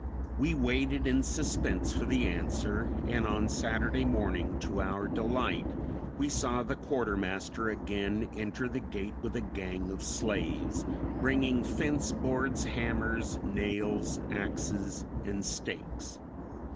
We waited in suspense for the answer, and on Saturday morning, to our delight, we saw the quartermaster again enter the gate with a gang of slaves, bringing fence boards, hammers, nails, axes and stakes.